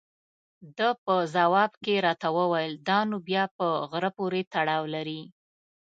ده په ځواب کې راته وویل: دا نو بیا په غره پورې تړاو لري.